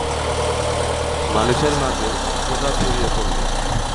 মানুষের মাঝে ক্ষুধা ছড়িয়ে পড়ল।